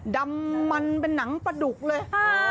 ดำมันเป็นหนังประดุกเลย